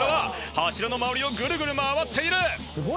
柱の周りをぐるぐる回っている。